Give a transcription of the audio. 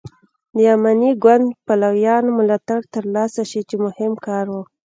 د اماني ګوند پلویانو ملاتړ تر لاسه شي چې مهم کار و.